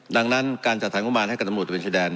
ดังนั้นการจัดท้านกบาลให้การตำรวจเป็นชายแดน